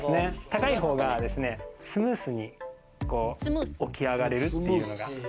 高いほうがスムーズに起き上がれるっていうのが。